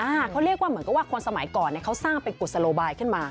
เขาเรียกว่าเหมือนกับว่าคนสมัยก่อนเนี่ยเขาสร้างเป็นกุศโลบายขึ้นมา